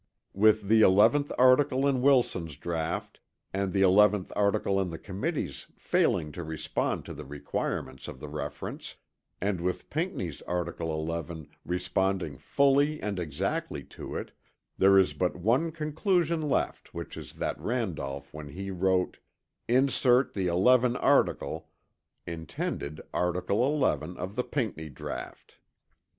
With the 11th article in Wilson's draught and the 11th article in the Committee's failing to respond to the requirements of the reference, and with Pinckney's article 11 responding fully and exactly to it, there is but one conclusion left which is that Randolph when he wrote "Insert the 11 article" intended article 11 of the Pinckney draught.